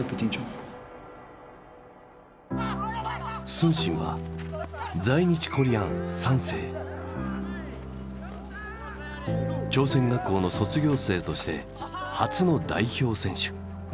承信は朝鮮学校の卒業生として初の代表選手。